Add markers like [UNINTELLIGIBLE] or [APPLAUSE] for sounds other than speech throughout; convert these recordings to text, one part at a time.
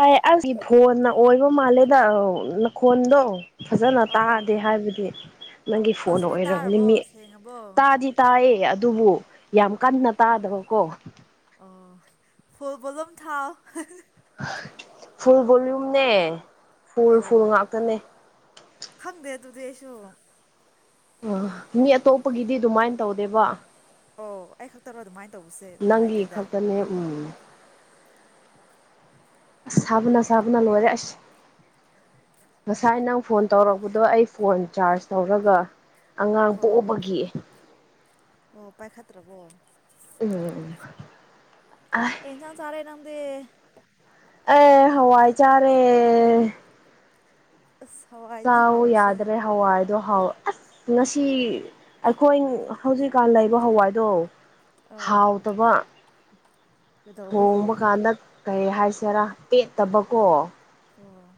ꯍꯥꯏ ꯑꯩꯒꯤ ꯐꯣꯟꯅ ꯑꯣꯏꯕ ꯃꯥꯜꯂꯦꯗ ꯅꯈꯣꯟꯗꯣ ꯐꯖꯅ ꯑꯣ ꯇꯥꯗꯦ ꯍꯥꯏꯕꯗꯤ ꯅꯪꯒꯤ ꯐꯣꯟꯗ ꯍꯧꯖꯤꯛꯇꯤ ꯑꯣꯏꯝꯔꯕꯅꯤ ꯇꯥꯔꯕꯣ ꯃꯤ ꯁꯦꯡꯉꯕꯣ ꯇꯥꯗꯤ ꯇꯥꯏꯌꯦ ꯑꯗꯨꯕꯨ ꯌꯥꯝ ꯀꯟꯅ ꯇꯥꯗꯕꯀꯣ ꯑꯣ ꯐꯜ ꯄꯣꯂꯝ ꯊꯥꯎ ꯐꯜꯕꯣꯎꯝꯅꯦ ꯐꯨꯜ ꯐꯨꯜ ꯑꯣ ꯉꯥꯛꯇꯅꯦ ꯗꯨꯗꯤ ꯑꯩꯁꯨ ꯑ ꯃꯤ ꯑꯇꯣꯞꯄꯒꯤꯗꯤ ꯑꯗꯨꯃꯥꯏ ꯇꯧꯗꯦꯕ ꯑꯣ ꯑꯩ ꯈꯛꯇꯔꯣ ꯑꯗꯨꯃꯥꯏ ꯅꯪꯒꯤ ꯈꯛꯇꯅꯦ ꯎꯝ ꯑꯁ ꯁꯥꯕꯅ ꯁꯥꯕꯅ ꯂꯣꯏꯔꯦ ꯑꯁ ꯉꯁꯥꯏ ꯅꯪ ꯐꯣꯟ ꯇꯧꯔꯛꯄꯗꯣ ꯑꯩ ꯐꯣꯟ ꯆꯥꯔꯖ ꯇꯧꯔꯒ ꯑꯉꯥꯡ ꯑꯣ ꯄꯣꯛꯑꯕꯒꯤ ꯑꯣ ꯄꯥꯏꯈꯠꯇ꯭ꯔꯕꯣ ꯎꯝ ꯑ ꯀꯩꯟꯁꯥꯡ ꯆꯥꯔꯦ ꯅꯝ ꯑꯦ ꯍꯋꯥꯏ ꯆꯥꯔꯦ ꯑꯁ ꯍꯋꯥꯏꯅꯦ ꯆꯥꯎ ꯍꯥꯎꯔꯤꯁꯦ ꯌꯥꯗ꯭ꯔꯦ ꯍꯋꯥꯏ ꯗꯣ ꯍꯥꯎ ꯑꯁ ꯉꯁꯤ ꯑꯈꯣꯏ ꯍꯧꯖꯤꯛꯀꯥꯟ ꯂꯩꯕ ꯍꯋꯥꯏꯗꯣ ꯑꯣ ꯍꯥꯎꯇꯕ ꯀꯩꯗꯧꯕꯒꯤ ꯊꯣꯡꯕ ꯀꯥꯟꯗ ꯀꯔꯤ ꯍꯥꯏꯁꯦꯔꯥ ꯄꯦꯠꯇꯕꯀꯣ ꯑꯣ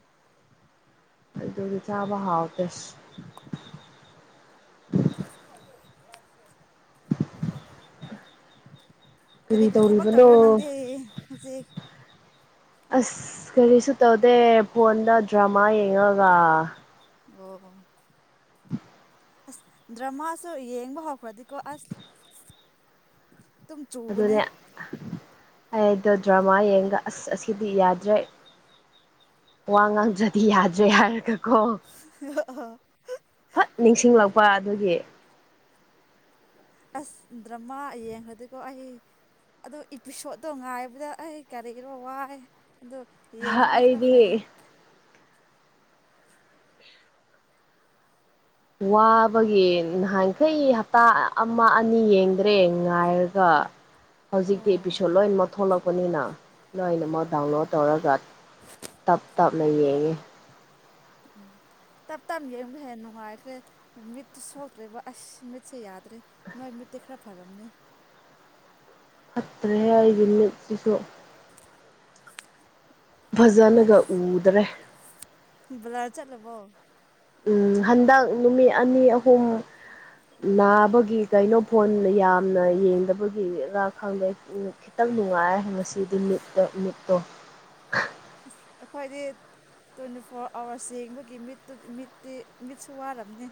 ꯑꯗꯨꯒꯤ ꯆꯥꯕ ꯍꯥꯎꯇꯦ ꯁ ꯦ [INAUDIBLE] ꯀꯔꯤ ꯀꯔꯤ ꯊꯕꯛ ꯇꯧꯔꯤꯔꯣ ꯅꯪꯗꯤ ꯍꯧꯖꯤꯛ ꯑꯁ ꯀꯔꯤꯁꯨ ꯇꯧꯗꯦ ꯐꯣꯟꯗ ꯗ꯭ꯔꯃꯥ ꯌꯦꯡꯉꯒ ꯑꯣ ꯎ [INAUDIBLE] ꯑꯁ ꯗ꯭ꯔꯃꯥꯁꯨ ꯌꯦꯡꯕ ꯍꯧꯈ꯭ꯔꯗꯤꯀꯣ ꯑꯁ ꯑꯗꯨꯝ ꯆꯨꯕꯅꯦ ꯑꯗꯨꯅꯦ ꯑꯩꯗꯣ ꯗ꯭ꯔꯃꯥ ꯌꯦꯡꯒ ꯑꯁ ꯑꯁꯤꯗꯤ ꯌꯥꯗ꯭ꯔꯦ ꯋꯥ ꯉꯥꯡꯗ꯭ꯔꯗꯤ ꯌꯥꯗ꯭ꯔꯦ ꯍꯥꯏꯔꯒ ꯑꯣ ꯐꯠ ꯅꯤꯡꯁꯤꯡꯂꯛ ꯄꯥ ꯑꯗꯨꯒꯤ ꯑꯁ ꯗ꯭ꯔꯃꯥ ꯌꯦꯡꯈ꯭ꯔꯗꯤꯀꯣ ꯑꯩ ꯑꯗꯣ ꯏꯄꯤꯁꯣꯠꯇꯣ ꯉꯥꯏꯕꯗ ꯑꯩ ꯀꯔꯤꯔꯣ ꯋꯥꯏ ꯑꯗꯣ ꯌꯦꯡꯕꯨꯅ ꯈꯔ ꯑꯩꯗꯤ ꯐꯩꯌꯦ ꯋꯥꯕꯒꯤ ꯅꯍꯥꯟꯈꯩ ꯍꯞꯇꯥ ꯑꯃ ꯑꯅꯤ ꯌꯦꯡꯗ꯭ꯔꯦ ꯉꯥꯏꯔꯒ ꯍꯧꯖꯤꯛꯇꯤ ꯑꯣ ꯏꯄꯤꯁꯣꯠ ꯂꯣꯏꯅꯃꯛ ꯊꯣꯛꯂꯛꯄꯅꯤꯅ ꯂꯣꯏꯅꯃꯛ ꯗꯥꯎꯟꯂꯣꯗ ꯇꯧꯔꯒ ꯇꯞ ꯇꯞꯅ ꯌꯦꯡꯉꯦ꯫ ꯎꯝ ꯇꯞ ꯇꯅ ꯌꯦꯡꯕꯗꯨ ꯍꯦꯟꯅ ꯅꯨꯡꯉꯥꯏꯈ꯭ꯔꯦ ꯃꯤꯠꯇꯨ ꯁꯣꯛꯇ꯭ꯔꯦꯕ ꯑꯁ ꯃꯤꯠꯁꯦ ꯌꯥꯗ꯭ꯔꯦ ꯅꯣꯏ ꯃꯤꯠ ꯇꯤ ꯈꯔꯥ ꯐꯔꯝꯅꯤ ꯐꯠꯇ꯭ꯔꯦꯍꯦ ꯑꯩꯒꯤ ꯃꯤꯠꯁꯤꯁꯨ ꯐꯖꯅꯒ ꯑꯁ ꯎꯗ꯭ꯔꯦ ꯕ꯭ꯂꯔ ꯆꯠꯂꯕꯣ ꯎꯝ ꯍꯟꯗꯛ ꯅꯨꯃꯤꯠ ꯑꯅꯤ ꯑꯍꯨꯝ ꯅꯥꯕꯒꯤ ꯀꯩꯅꯣ ꯐꯣꯟꯅ ꯌꯥꯝꯅ ꯌꯦꯡꯗꯕꯒꯤ ꯔ ꯈꯪꯗꯦ ꯈꯤꯇꯪ ꯅꯨꯡꯉꯥꯏ ꯉꯁꯤꯗꯤ ꯃꯤꯠꯇꯣ ꯃꯤꯠꯇꯣ ꯑꯁ ꯑꯈꯣꯏꯗꯤ꯫ ꯇ꯭ꯋꯦꯟꯇꯤ ꯐꯣꯔ ꯑꯋꯥꯔꯁ ꯌꯦꯡꯕꯒꯤ ꯃꯤꯠꯇꯨ ꯃꯤꯠꯇꯤ ꯃꯤꯠꯁꯨ ꯋꯥꯔꯝꯅꯤ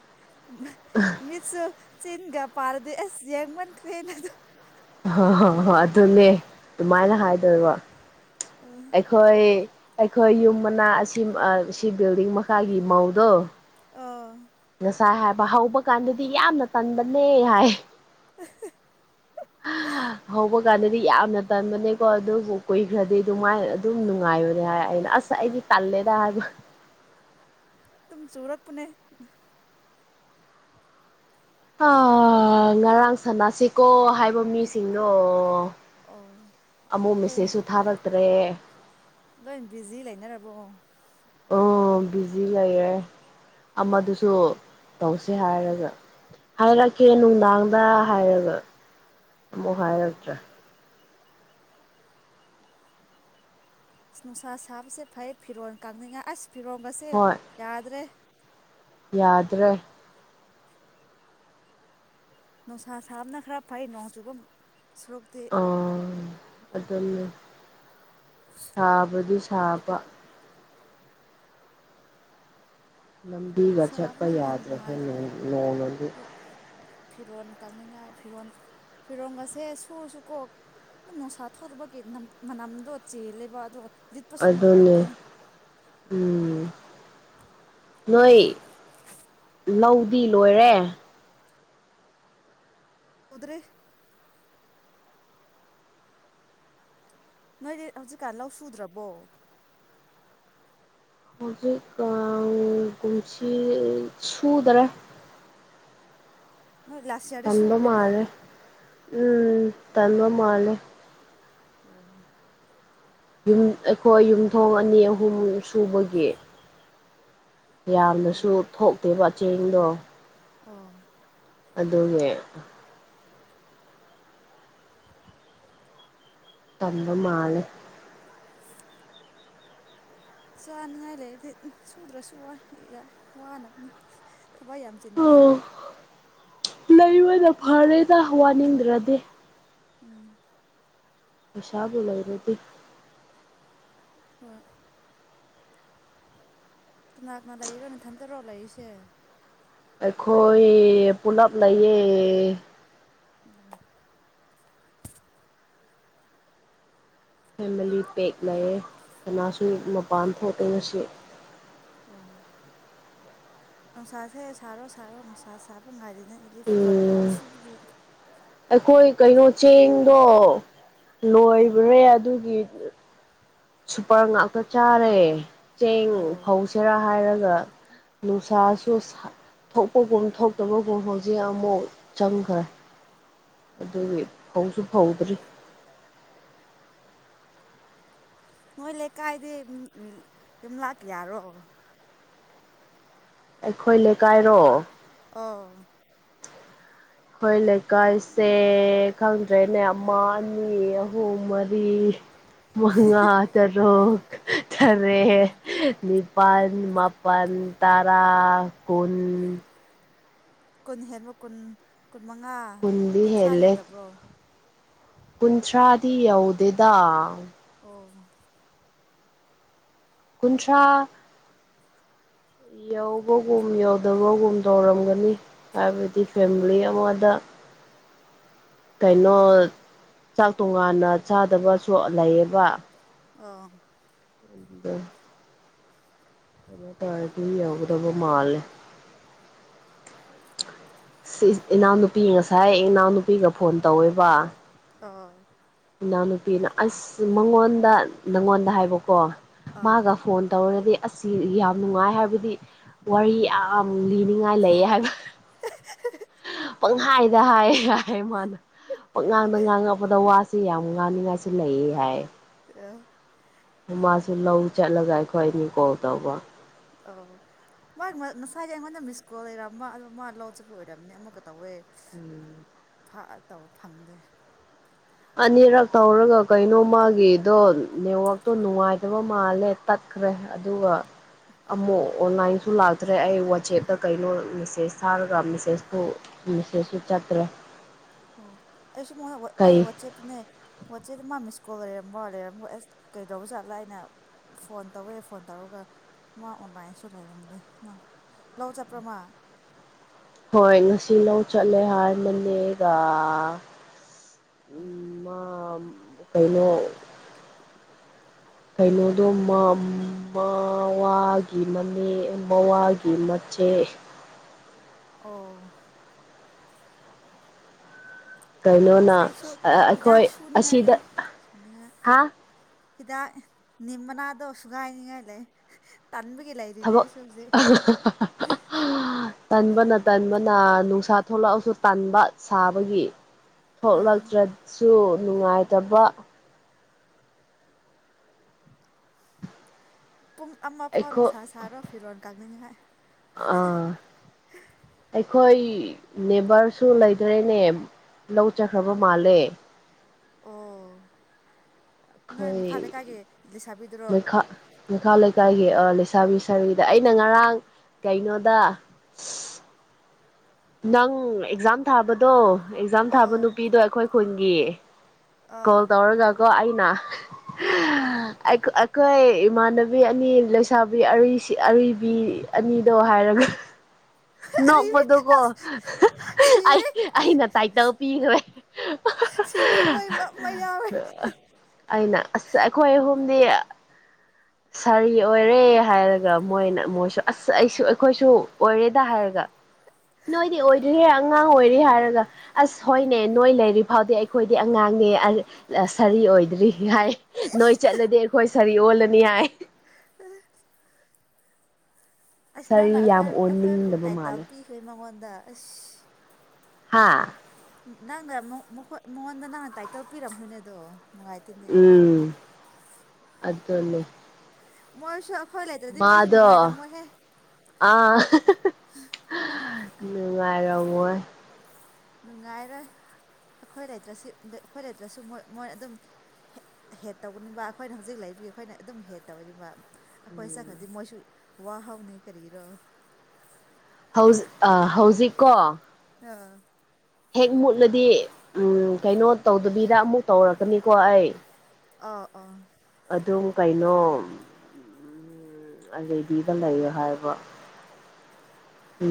ꯃꯤꯠꯁꯨ ꯆꯤꯟꯒ ꯄꯥꯔꯗꯤ ꯑꯁ ꯌꯦꯡꯃꯟꯈ꯭ꯔꯦꯅ ꯑꯗꯨ ꯑꯍꯥ ꯍ ꯍ ꯑꯗꯨꯅꯦ ꯑꯗꯨꯃꯥꯏꯅ ꯍꯥꯏꯗꯣꯏꯕ ꯑꯩꯈꯣꯏ ꯑꯩꯈꯣꯏ ꯌꯨꯝ ꯃꯅꯥ ꯑꯁꯤꯝ ꯑ ꯁꯤ ꯕꯤꯜꯗꯤꯡ ꯃꯈꯥꯒꯤ ꯃꯧꯗꯣ ꯑꯣ ꯉꯁꯥꯏ ꯍꯥꯏꯕ ꯍꯧꯕ ꯀꯥꯟꯗꯗꯤ ꯌꯥꯝꯅ ꯇꯟꯕꯅꯦ ꯍꯥꯏ ꯍꯛ ꯍꯧꯕ ꯀꯥꯟꯗꯗꯤ ꯌꯥꯝꯅ ꯇꯟꯕꯅꯦꯀꯣ ꯑꯗꯨꯕꯨ ꯀꯨꯏꯈ꯭ꯔꯗꯤ ꯑꯗꯨꯥꯏ ꯑꯗꯨꯝ ꯅꯨꯡꯉꯥꯏ ꯍꯥꯏꯅ ꯑꯁ ꯑꯩꯗꯤ ꯇꯜꯂꯦꯗ ꯍꯥꯏꯒ [UNINTELLIGIBLE] ꯁꯨꯔꯠ ꯄꯨꯅꯦ ꯑ ꯉꯔꯥꯡ ꯁꯥꯟꯅꯁꯤꯀꯣ ꯍꯥꯏꯕ ꯃꯤꯁꯤꯡꯗꯣ ꯑꯣ ꯑꯃꯨ ꯂꯣꯏ ꯃꯤꯁꯁꯨ ꯊꯥꯔꯛꯇ꯭ꯔꯦ ꯂꯣꯏ ꯕꯤꯖꯤ ꯂꯩꯅꯔꯕꯣ ꯑꯣ ꯕꯤꯖꯤ ꯂꯩꯔꯦ ꯑꯃꯗꯨꯁꯨ ꯇꯧꯁꯦ ꯍꯥꯏꯔꯒ ꯍꯥꯏꯔꯛꯀꯦ ꯅꯨꯡꯗꯥꯡꯗ ꯍꯥꯏꯔꯒ ꯑꯃꯨꯛ ꯍꯥꯏꯔꯛꯇ꯭ꯔꯦ ꯅꯨꯡꯁꯥ ꯁꯥꯕꯁꯦ ꯐꯩ ꯐꯤꯔꯣꯜ ꯀꯪꯅꯤꯡꯉ ꯑꯁ ꯐꯤꯔꯣꯜꯒꯁꯦ ꯍꯣꯏ ꯌꯥꯗ꯭ꯔꯦ ꯌꯥꯗ꯭ꯔꯦ ꯅꯨꯡꯁꯥ ꯁꯥꯕꯅ ꯈꯔ ꯐꯩ ꯅꯣꯡ ꯆꯨꯕ ꯁꯨꯔꯨꯛꯇꯤ ꯑꯗꯨꯅꯤ ꯁꯥꯕꯗꯤ ꯁꯥꯕ ꯂꯝꯕꯤꯒ ꯆꯠꯄ ꯁꯥꯕꯅ ꯍꯦꯟꯅ ꯌꯥꯗ꯭ꯔꯁꯨ ꯅꯨꯡꯉꯥꯏꯈ꯭ꯔꯦ ꯅꯣꯡ ꯑꯗꯨ ꯑꯗꯨꯝ ꯐꯤꯔꯣꯜ ꯀꯛꯅꯤꯡꯉꯥꯏ ꯐꯤꯔꯣꯜ ꯐꯤꯔꯣꯒꯁꯦ ꯁꯨꯔꯁꯨ ꯀꯣꯛ ꯑꯗꯨꯝ ꯅꯨꯡꯁꯥ ꯊꯣꯛꯇꯕꯒꯤ ꯃꯅꯝꯗꯣ ꯆꯦꯜꯂꯦꯕ ꯑꯗꯣ ꯂꯤꯠꯄꯁꯨ ꯑꯗꯨꯅꯦ ꯅꯨꯡꯉꯥꯏꯇꯦ ꯎꯝ ꯅꯣꯏ ꯂꯧꯗꯤ ꯂꯣꯏꯔꯦ ꯃꯗ꯭ꯔꯦ ꯅꯣꯏꯗꯤ ꯍꯧꯖꯤꯛꯀꯥꯟ ꯂꯧ ꯁꯨꯗ꯭ꯔꯕꯣ ꯍꯧꯖꯤꯛ ꯀꯟꯁꯤ ꯁꯨꯗꯔꯦ ꯅꯣꯏ ꯂꯁꯤꯌꯥꯔꯗꯤ ꯇꯟꯕ ꯁꯨꯕ꯭ꯔꯣ ꯅ ꯃꯥꯜꯂꯦ ꯎꯝ ꯇꯟꯃ ꯃꯥꯂꯦ ꯑꯣ ꯑꯩꯈꯣꯏ ꯌꯨꯝꯊꯣꯡ ꯑꯅꯤ ꯑꯍꯨꯝ ꯁꯨꯕꯒꯤ ꯌꯥꯝꯅꯁꯨ ꯑꯣ ꯊꯣꯛꯇꯦꯕ ꯆꯦꯡꯗꯣ ꯑ ꯑꯗꯨꯅꯦ ꯇꯝꯕ ꯃꯥꯥꯂ ꯆꯥꯅꯤꯡꯉꯥꯏ ꯂꯩꯗꯤ ꯁꯨꯗ꯭ꯔꯁꯨ ꯋꯥꯅꯕꯅꯦ ꯊꯋꯥꯏ ꯌꯥꯝ ꯆꯟꯕꯅꯦ ꯂꯩꯕꯗ ꯐꯔꯦꯗ ꯋꯥꯅꯤꯡꯗ꯭ꯔꯗꯤ ꯎꯝ ꯑꯣꯁꯥꯕꯨꯣꯂ ꯔꯗꯤ ꯍꯣꯏ ꯀꯅꯥ ꯀꯅꯥ ꯂꯩꯔꯣꯅꯦ ꯊꯟꯗꯔꯣ ꯂꯩꯔꯤꯁꯦ ꯑꯩꯈꯣꯏ ꯄꯨꯂꯞ ꯂꯩꯌꯦ ꯎ ꯐꯦꯃꯤꯂꯤ ꯄꯦꯛ ꯂꯩꯌꯦꯦ ꯀꯅꯥꯁꯨ ꯃꯄꯥꯟ ꯊꯣꯛꯇꯣꯏꯅ ꯁꯤ ꯑ ꯅꯨꯡꯁꯥꯁꯦ ꯁꯥꯔꯣ ꯁꯥꯔꯣ ꯅꯨꯡꯁꯥ ꯁꯥꯕ ꯉꯥꯏꯔꯤꯅ ꯑꯩꯗꯤ ꯐꯤꯔꯣꯜ ꯌꯥꯝ ꯎꯝ ꯁꯨꯕꯒꯤ ꯑꯩꯈꯣꯏ ꯀꯩꯅꯣ ꯆꯦꯡꯗꯣ ꯎꯝ ꯂꯣꯏꯕ꯭ꯔꯦ ꯑꯗꯨꯒꯤ ꯁꯨꯄꯔ ꯉꯥꯛꯇ ꯆꯥꯔꯦ ꯆꯦꯡ ꯑꯣ ꯐꯧꯁꯤꯦꯔꯥ ꯍꯥꯏꯔꯒ ꯅꯨꯡꯁꯥꯁꯨ ꯊꯣꯛꯄꯒꯨꯝ ꯊꯣꯛꯇꯕꯒꯨꯝ ꯍꯧꯖꯤꯛ ꯑꯃꯨꯛ ꯆꯪꯈ꯭ꯔꯦ ꯑꯗꯨꯒꯤ ꯐꯧꯁꯨ ꯐꯧꯗ꯭ꯔꯤ ꯅꯣꯏ ꯂꯩꯀꯥꯏꯗꯤ ꯌꯨꯝ ꯂꯥꯛꯀ ꯌꯥꯔꯣ ꯑꯩꯈꯣꯏ ꯂꯩꯀꯥꯏꯔꯣ ꯑꯣꯥ ꯑꯩꯈꯣꯏ ꯂꯩꯀꯥꯏꯁꯦ ꯈꯪꯗ꯭ꯔꯦꯅꯦ ꯑꯃ ꯑꯅꯤ ꯑꯍꯨꯝ ꯃꯔꯤ ꯃꯉ ꯇꯔꯣ [UNINTELLIGIBLE] ꯇꯔꯦ ꯅꯤꯄꯥꯜ ꯃꯥꯄꯜ ꯇꯔꯥ ꯀꯨꯟ ꯀꯨꯟ ꯍꯦꯟꯕ꯭ꯔꯣ ꯀꯨꯟ ꯀꯨꯟ ꯃꯉꯥ ꯀꯨꯟꯗꯤ ꯀꯨꯟꯊ꯭ꯔꯥ ꯍꯦꯜꯂꯦ ꯌꯧꯗꯕ꯭ꯔꯣ ꯀꯨꯟꯊ꯭ꯔꯥꯗꯤ ꯌꯧꯗꯦꯗ ꯑꯣ ꯀꯨꯟꯊ꯭ꯔꯥ [UNINTELLIGIBLE] ꯌꯧꯕꯒꯨꯝ ꯌꯧꯗꯕꯒꯨꯝ ꯇꯧꯔꯝꯒꯅꯤ ꯍꯥꯏꯕꯗꯤ ꯐꯦꯃꯤꯂꯤ ꯑꯃꯗ [UNINTELLIGIBLE] ꯀꯩꯅꯣ ꯆꯥꯛ ꯇꯣꯉꯥꯟꯅ ꯆꯥꯗꯕꯁꯨ ꯂꯩꯌꯦꯕ ꯑ ꯎꯗ ꯑꯣ ꯇꯔꯇ ꯎꯗ ꯃꯥꯂ ꯏꯅꯥꯎꯅꯨꯄꯤ ꯉꯁꯥꯏ ꯏꯅꯥꯎꯅꯨꯄꯤꯒ ꯐꯣꯟ ꯇꯧꯋꯦꯕ ꯑꯥ ꯏꯅꯥꯎꯅꯨꯄꯤꯅ ꯑꯁ ꯃꯉꯣꯟꯗ ꯅꯪꯉꯣꯟꯗ ꯍꯥꯏꯕꯀꯣ ꯑꯣ ꯃꯥꯒ ꯐꯣꯟ ꯇꯧꯔꯗꯤ ꯑꯁꯤ ꯌꯥꯝ ꯅꯨꯡꯉꯥꯏ ꯍꯥꯏꯕꯗꯤ ꯋꯥꯔꯤ ꯌꯥꯝ ꯂꯤꯅꯤꯡꯉꯥꯏ ꯂꯩ ꯍꯥꯏꯕ ꯪ ꯍꯥꯏꯗ ꯍꯥꯏ ꯍꯥꯏ ꯃꯥꯅ ꯄꯛ ꯉꯥꯡꯕ ꯉꯥꯡꯉꯛꯄꯗ ꯋꯥꯁꯤ ꯌꯥꯝ ꯉꯥꯡꯅꯤꯡꯉꯥꯏꯁꯨ ꯂꯩ ꯍꯥꯏ ꯑ ꯃꯥꯁꯨ ꯂꯧ ꯆꯠꯂꯒ ꯑꯩꯈꯣꯏ ꯑꯅꯤ ꯀꯣꯜ ꯇꯧꯕ ꯑꯣ ꯃꯥꯒꯤ ꯉꯁꯥꯏꯗꯤ ꯑꯩꯉꯣꯟꯗ ꯃꯤꯁꯀꯣꯜ ꯂꯩꯔꯃ ꯑꯗꯣ ꯃꯥ ꯂꯧꯁꯤꯕꯨ ꯑꯣꯏꯔꯝꯅꯦ ꯑꯃꯨꯛꯀ ꯇꯧꯋꯦ ꯎꯝ ꯐꯥ ꯇꯕ ꯐꯪꯗꯦ ꯑꯅꯤꯔꯛ ꯊꯧꯔꯒ ꯀꯩꯅꯣ ꯃꯥꯒꯤꯗꯣ ꯅꯦꯠꯋꯥꯛꯇꯣ ꯅꯨꯡꯉꯥꯏꯇꯕ ꯃꯥꯜꯂꯦ ꯇꯠ ꯈ꯭ꯔꯦ ꯑꯗꯨꯒ ꯑꯃꯨꯛ ꯑꯣꯟꯂꯥꯏꯟꯁꯨ ꯂꯥꯛꯇ꯭ꯔꯦ ꯑꯩ ꯋꯥꯆꯦꯞꯇ ꯀꯩꯅꯣ ꯃꯦꯁꯦꯖ ꯊꯥꯔꯒ ꯃꯦꯁꯦꯖꯇꯨ ꯁꯠꯁꯨ ꯆꯥꯠꯇ꯭ꯔꯦ ꯑꯣ ꯑꯩꯁꯨ ꯃꯗ ꯑꯩ ꯋꯥꯆꯦꯞꯅꯦ ꯋꯥꯆꯦꯞ ꯃꯥ ꯃꯤꯁ ꯀꯣꯜ ꯂꯩꯔꯝꯝꯕꯣ ꯂꯩꯔꯝꯃꯣ ꯑꯦꯁ ꯀꯩꯗꯧꯕ ꯆꯠꯂꯥ ꯑꯩꯅ ꯐꯣꯟ ꯇꯧꯋꯦ ꯐꯣꯟ ꯇꯧꯔꯒ ꯃꯥ ꯑꯣꯟꯂꯥꯏꯟꯁꯨ ꯂꯩꯔꯝꯗꯦ ꯃꯥ ꯂꯧꯥꯎꯆꯄ꯭ꯔꯃ ꯍꯣꯏ ꯉꯁꯤ ꯂꯧ ꯆꯠꯂꯦ ꯍꯥꯏꯔꯃꯅꯦꯒ ꯃ ꯀꯩꯅꯣ ꯀꯩꯅꯣꯗꯣꯒꯤ ꯃ ꯃꯋꯥꯒꯤ [UNINTELLIGIBLE] ꯑꯣ ꯀꯩꯅꯣꯅ ꯑꯁ ꯑꯩꯁꯨ ꯑꯩꯈꯣꯏ ꯍꯤꯗꯥꯛ ꯁꯨꯅꯤꯡꯉꯥꯏ ꯑꯁꯤꯗ ꯂꯩ ꯁꯨꯅꯤꯡꯉꯥꯏ ꯍꯥ ꯍꯤꯗꯥꯛ ꯅꯤꯃꯅꯥꯗꯣ ꯁꯨꯒꯥꯏꯅꯤꯡꯉꯥꯏ ꯂꯩ ꯇꯥꯟꯕꯕꯒꯤ ꯂꯩꯥꯏꯔꯤꯅꯦ ꯊꯕꯛ ꯑꯩꯁꯨꯁꯦ ꯇꯟꯕꯅ ꯇꯟꯕꯅ ꯅꯨꯡꯁꯥ ꯊꯣꯛꯂꯛꯑꯁꯨ ꯇꯟꯕ ꯁꯥꯕꯒꯤ ꯑꯥ ꯊꯣꯛꯂꯛꯇ꯭ꯔꯁꯨ ꯅꯨꯡꯉꯥꯏꯇꯕ ꯄꯨꯡ ꯑꯃ ꯐꯥꯎ ꯅꯨꯡꯁꯥ ꯁꯥꯔꯣ ꯐꯤꯔꯣꯜ ꯀꯥꯅꯤꯡꯉꯉꯥꯏ ꯑ ꯑꯩꯈꯣꯏ ꯅꯦꯕꯔꯁꯨ ꯂꯩꯗꯔꯦꯅꯦ ꯂꯧ ꯆꯈ꯭ꯔꯕ ꯃꯥꯜꯂꯦ ꯑꯣ ꯅꯣꯏ ꯑꯩꯈꯣꯏ ꯃꯈꯥ ꯂꯩꯀꯥꯏꯒꯤ ꯂꯩꯁꯥꯕꯤꯗ꯭ꯔꯣ ꯃꯩꯈꯥ ꯃꯈꯥ ꯂꯩꯀꯥꯏꯒꯤ ꯂꯩꯁꯥꯕꯤꯁꯔꯤꯗ ꯑꯩꯅ ꯉꯔꯥꯡ ꯀꯩꯅꯣꯗ ꯅꯪ ꯑꯦꯛꯖꯥꯝ ꯊꯥꯕꯗꯣ ꯑꯦꯛꯖꯥꯝ ꯊꯥꯕ ꯑꯥꯎ ꯅꯨꯄꯤꯗꯣ ꯑꯩꯈꯣꯏ ꯈꯨꯟꯒꯤ ꯑꯥ ꯀꯣꯜ ꯇꯧꯔꯖꯒꯣ ꯑꯩꯅ ꯑꯥ ꯑꯩꯈꯣꯏ ꯏꯃꯥꯟꯅꯕꯤ ꯑꯅꯤ ꯂꯩꯁꯥꯕꯤ ꯑꯤ ꯑꯅꯤꯗꯣ ꯍꯥꯏꯔꯝꯃꯤ ꯑꯔꯤꯕ ꯅꯄꯗ ꯀꯣ ꯑꯁ ꯑꯩ ꯁꯤꯔꯦ ꯑꯩꯅ ꯇꯥꯏꯇꯜ ꯄꯤꯈ꯭ꯔꯦ ꯐꯤ ꯃ ꯌꯥꯎꯋꯦ ꯑꯩꯅ ꯑꯁ ꯑꯩꯈꯣꯏ ꯑꯍꯨꯝꯗꯤ [INAUDIBLE] ꯁꯥꯔꯤ ꯑꯣꯏꯔꯦ ꯍꯥꯏꯔꯒ ꯃꯣꯏꯅ ꯃꯣꯏꯁꯨ ꯑꯁ ꯑꯩꯁꯨ ꯑꯩꯈꯣꯏꯁꯨ ꯑꯣꯏꯔꯦꯗ ꯍꯥꯏꯔꯒ ꯅꯣꯏꯗꯤ ꯑꯣꯏꯗ꯭ꯔꯤꯍ ꯑꯉꯥꯡ ꯑꯣꯏꯔꯤ ꯍꯥꯏꯔꯒ ꯑꯁ ꯍꯣꯏꯅꯦ ꯅꯣꯏ ꯂꯩꯔꯤ ꯐꯥꯎꯗꯤ ꯑꯩꯈꯣꯏꯗꯤ ꯑꯉꯥꯡ ꯁꯥꯔꯤ ꯑꯣꯏꯗ꯭ꯔꯤ ꯍꯥꯏ ꯅꯣꯏ ꯆꯠꯂꯗꯤ ꯑꯩꯈꯣꯏ ꯁꯥꯔꯤ ꯑꯣꯜꯂꯅꯤ ꯍꯥꯏ ꯑ ꯑꯁ ꯁꯥꯔꯤ ꯅꯪꯅ ꯑꯩꯈꯣꯏ ꯌꯥꯝ ꯑꯩꯈꯣꯏꯕꯨ ꯑꯣꯟꯅꯤꯡꯗꯕ ꯇꯥꯏꯇ ꯃꯥꯜꯂꯦ ꯄꯤꯈ꯭ꯔꯦ ꯃꯉꯣꯟꯗ ꯑꯁ ꯍꯥꯥ ꯅꯪꯅ ꯃꯉꯣꯟꯗ ꯅꯪꯅ ꯇꯥꯏꯇꯜ ꯄꯤꯔꯝꯕꯅꯦ ꯑꯗꯣ ꯅꯨꯡꯉꯥꯏꯇꯦꯅꯦ ꯎꯝ ꯑꯗꯨꯗꯂꯦ ꯃꯣꯏꯁ ꯃꯥꯗꯣ ꯑꯥ ꯅꯨꯡꯉꯥꯏꯔꯃꯣꯏ ꯅꯨꯡꯉꯥꯏꯔꯣꯏ ꯑꯩꯈꯣꯏ ꯂꯩꯇ꯭ꯔꯁꯨ ꯑꯩꯈꯣꯏ ꯂꯩꯇ꯭ꯔꯁꯨꯣꯏ ꯃꯣꯏ ꯑꯗꯨꯝ ꯍꯦꯠ ꯇꯧꯕꯅꯤꯕ ꯑꯩꯈꯣꯏꯅ ꯍꯧꯖꯤꯛ ꯂꯩꯔꯤꯕꯒꯤ ꯑꯩꯈꯣꯏꯅ ꯑꯗꯨꯝ ꯍꯦꯠ ꯇꯧꯅꯤꯕ ꯑꯩꯈꯣꯏ ꯆ ꯎꯝ ꯈꯗꯤ ꯃꯣꯏꯁꯨ ꯋꯥ ꯍꯧꯥꯎꯅꯤ ꯀꯔꯤꯔꯣ ꯍꯧꯖꯤ ꯑ ꯍꯧꯖꯤꯛꯀꯣ ꯑꯥ ꯍꯦꯛ ꯃꯨꯠꯂꯗꯤ ꯎ ꯀꯩꯅꯣ ꯇꯧꯗꯕꯤꯗ ꯑꯃꯨꯛ ꯇꯧꯔꯛꯀꯅꯤꯀꯣ ꯑꯩ ꯑ ꯑꯥ ꯑꯗꯨꯝ ꯀꯩꯅꯣ ꯎ ꯑꯗꯨꯗꯩꯗꯤꯕ ꯂꯩꯌꯣ ꯍꯥꯏꯕ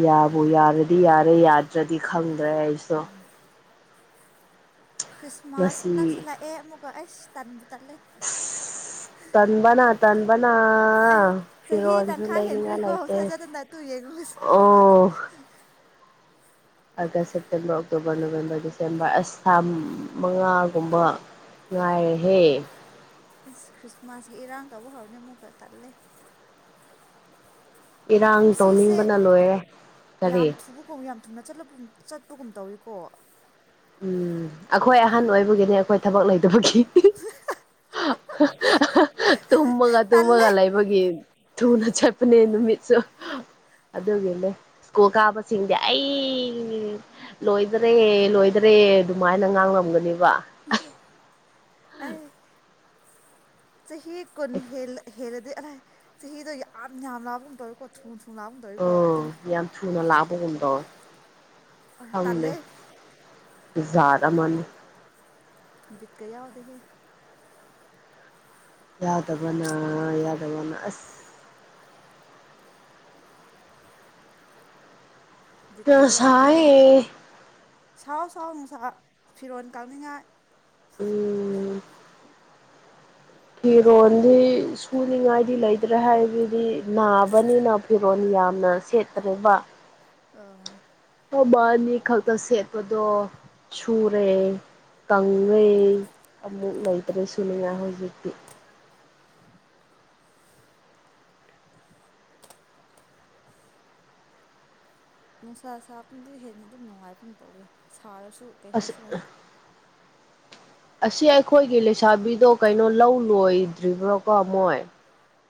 ꯌꯥꯕꯨ ꯌꯥꯔꯗꯤ ꯌꯥꯔꯦ ꯌꯥꯗ꯭ꯔꯗꯤ ꯈꯪꯗ꯭ꯔꯦ ꯑꯩꯁꯨ ꯈ꯭ꯔꯤꯁꯃꯥꯁꯁꯨ ꯉꯁꯤ ꯅꯛꯁꯤꯜꯂꯥꯛꯑꯦ ꯑꯃꯨꯛꯀ ꯑꯩ ꯇꯟꯕꯨ ꯇꯠꯂꯦ ꯑꯁ ꯇꯟꯕꯅ ꯇꯟꯕꯅ ꯑꯦ ꯆꯍꯤ ꯐꯤꯔꯣꯜꯁꯨ ꯇꯪꯈꯥꯏ ꯂꯩꯅꯤꯡꯉꯥꯏ ꯍꯦꯟꯈ꯭ꯔꯦꯀꯣ ꯂꯩꯇꯦ ꯊꯥꯖꯗꯅꯠꯇꯨ ꯌꯦꯡꯂꯡꯨꯁꯦ [INAUDIBLE] ꯑꯣ August September October November December ꯑꯁꯥ ꯃꯉꯥꯒꯨꯝꯕ ꯅꯨꯡꯥꯏ ꯍꯦ ꯑꯁ ꯈ꯭ꯔꯤꯁꯃꯥꯁꯀꯤ ꯏꯔꯥꯡꯗꯕꯨ ꯍꯧꯔꯅꯤ ꯑꯃꯨꯛꯀ ꯇꯜꯂꯦ ꯏꯔꯥꯡ ꯀꯨꯝꯁꯤꯁꯦ ꯇꯧꯅꯤꯡꯕꯅ ꯂꯣꯏꯔꯦ ꯀꯔꯤ ꯊꯨꯅꯂ ꯆꯠꯄꯒꯨꯝ ꯇꯧꯏꯀꯣ ꯎꯝ ꯑꯩꯈꯣꯏ ꯑꯍꯟ ꯑꯣꯏꯕꯒꯤꯅꯤ ꯑꯩꯈꯣꯏ ꯊꯕꯛ ꯂꯩꯇꯕꯒꯤ ꯇꯨꯝꯃꯒ ꯇꯨꯝꯃꯒ ꯇꯜꯂꯦ ꯂꯩꯕꯒꯤ ꯊꯨꯅ ꯆꯦꯠꯄꯅꯦ ꯅꯨꯃꯤꯠꯁꯨ ꯑꯗꯨꯒꯤꯅꯦ ꯁ꯭ꯀꯨꯜ ꯀꯥꯕꯁꯤꯡꯗꯤ ꯑꯩ ꯂꯣꯏꯗꯔꯦ ꯂꯣꯏꯗꯔꯦ ꯑꯦ ꯑꯗꯨꯃꯥꯏꯅ ꯉꯥꯡꯂꯝꯒꯅꯤ ꯎ ꯎꯝ ꯆꯍꯤ ꯀꯨꯟ ꯍꯦꯜꯂꯗꯤ ꯑꯔꯥꯏ ꯆꯍꯤꯗꯣ ꯌꯥꯝ ꯌꯥꯝ ꯂꯕꯒ ꯇꯧꯋꯦꯀꯣꯠ ꯎꯝ ꯌꯥꯝ ꯊꯨꯅ ꯂꯥꯛꯕꯒꯨꯝꯗꯣ ꯇꯜꯂꯦ ꯈꯝꯅꯦꯖꯥꯔ ꯃꯅꯤꯅꯤ ꯕꯤꯀ ꯌꯥ ꯑꯣꯗꯍꯦ ꯌꯥꯗꯕꯅꯥ ꯌꯥꯎꯗꯕꯅ ꯑꯁ ꯕꯤꯠꯀ ꯇꯁꯌꯦ ꯑꯁꯥꯎ ꯅꯨꯡꯁꯥ ꯐꯤꯔꯣꯟꯜ ꯀꯥꯅꯤꯡꯉꯥꯏ ꯎꯝ ꯐꯤꯔꯣꯗꯤ ꯁꯨꯅꯤꯉꯥꯏꯗꯤ ꯂꯩꯇ꯭ꯔꯦ ꯍꯥꯏꯕꯗꯤ ꯅꯥꯕꯅꯤꯅ ꯐꯤꯔꯣꯜ ꯌꯥꯝꯅ ꯁꯦꯠꯇꯕ ꯑ ꯃꯕꯥ ꯑꯅꯤ ꯈꯛꯇ ꯁꯦꯠꯄꯗꯣ ꯁꯨꯔꯦ ꯇꯪꯉꯩ ꯑꯃꯨꯛ ꯂꯩꯇ꯭ꯔꯦꯁꯨꯨꯅꯤꯉꯥꯏ ꯍꯧꯖꯤꯛꯇꯤ ꯅꯨꯡꯁꯥ ꯁꯥꯕꯅꯗꯤ ꯍꯦꯟꯅ ꯑꯗꯨꯝ ꯅꯨꯡꯉꯥꯏꯕꯨꯝ ꯇꯧꯋꯦ ꯁꯥꯔꯁꯨ ꯀꯩ ꯑꯁ ꯍꯥꯏꯁꯤꯔ [INAUDIBLE] ꯑꯁꯤ ꯑꯩꯈꯣꯏꯒꯤ ꯂꯩꯁꯥꯕꯤꯗꯣ ꯀꯩꯅꯣ ꯂꯧ ꯂꯣꯏꯗ꯭ꯔꯤꯕ꯭ꯔꯣꯀꯣ ꯃꯣꯏ